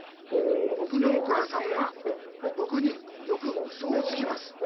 「ぼくのお母さんはぼくによくウソをつきます。